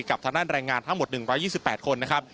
กับทางด้านแรงงานทั้งหมด๑๒๘คนนะครับ